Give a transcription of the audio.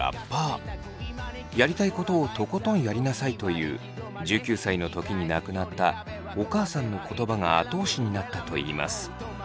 やりたいことをとことんやりなさいという１９歳の時に亡くなったお母さんの言葉が後押しになったと言います。